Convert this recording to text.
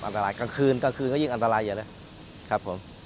อันตรายกลางคืนกลางคืนก็ยิ่งอันตรายอย่าเลยครับผม